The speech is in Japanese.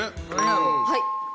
はい。